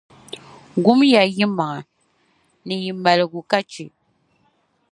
Gum ya yi maŋa, ni yi maligu ka chɛ